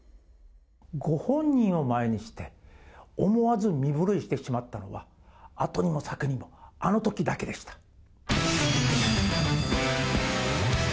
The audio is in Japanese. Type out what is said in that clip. ご本人を前にして、思わず身震いしてしまったのは、後にも先にも、あのときだけでした。